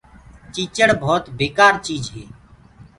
تيچڙ ڀوت بيڪآر چيج هي۔